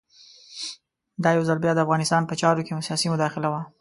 دا یو ځل بیا د افغانستان په چارو کې سیاسي مداخله وه.